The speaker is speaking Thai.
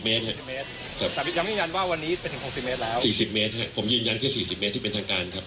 ๔๐เมตรครับผมยืนยันแค่๔๐เมตรที่เป็นทางการครับ